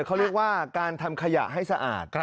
เขาเรียกว่าการทำขยะให้สะอาด